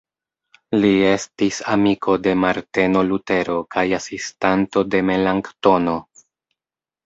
Li estis amiko de Marteno Lutero kaj asistanto de Melanktono.